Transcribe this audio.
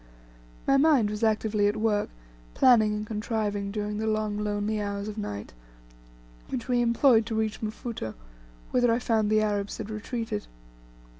My mind was actively at work planning and contriving during the long lonely hours of night, which we employed to reach Mfuto, whither I found the Arabs had retreated.